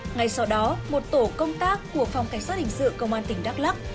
ngay sau đó một tổ công tác của phòng cảnh sát hình sự công an tỉnh đắk lắc